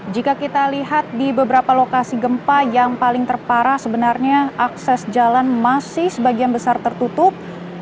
jika kita lihat di beberapa lokasi gempa yang paling terparah sebenarnya akses jalan masih sebagian besar tertutup